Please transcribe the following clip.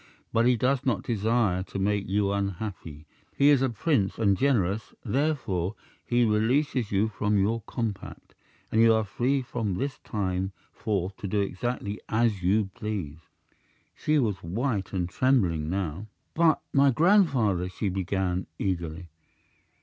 But he does not desire to make you unhappy. He is a prince, and generous; therefore, he releases you from your compact, and you are free from this time forth to do exactly as you please." She was white and trembling now. "But my grandfather " she began, eagerly.